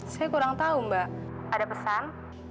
saya kurang tahu mbak ada pesan